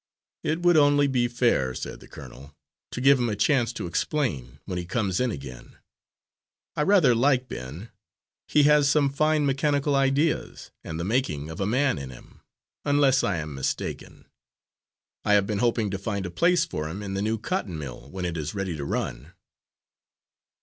"It would only be fair," said the colonel, "to give him a chance to explain, when he comes in again. I rather like Ben. He has some fine mechanical ideas, and the making of a man in him, unless I am mistaken. I have been hoping to find a place for him in the new cotton mill, when it is ready to run."